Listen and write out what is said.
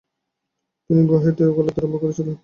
তিনি গুয়াহাটিতে উকালতি আরম্ভ করেছিলেন।